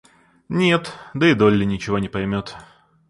Нет, да и Долли ничего не поймет.